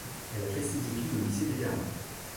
Il a fait ses études au lycée d'Épernay.